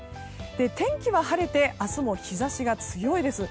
天気は晴れて明日も日差しが強いです。